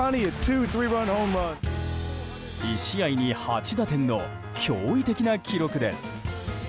１試合に８打点の驚異的な記録です。